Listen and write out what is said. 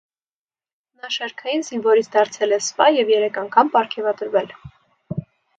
Նա շարքային զինվորից դարձել է սպա և երեք անգամ պարգևատրվել։